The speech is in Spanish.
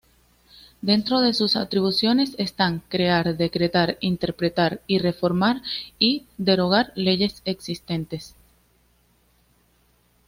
Dentro de sus atribuciones están: Crear, decretar, interpretar y reformar y derogar leyes existentes.